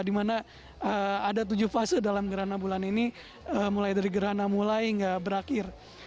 di mana ada tujuh fase dalam gerhana bulan ini mulai dari gerhana mulai hingga berakhir